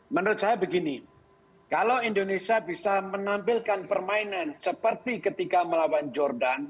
menurut saya begini kalau indonesia bisa menampilkan permainan seperti ketika melawan jordan